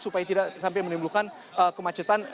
supaya tidak sampai menimbulkan kemacetan